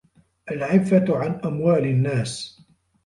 الْعِفَّةُ عَنْ أَمْوَالِ النَّاسِ